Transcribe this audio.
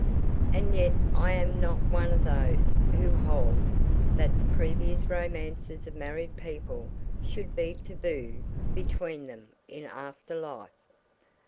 And yet I am not one of those who hold that the previous romances of married people should be taboo between them in after life.